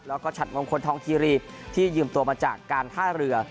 แล้วก็ฉัดมงคลทองคีรีที่ยืมตัวมาจากการท่าเรือ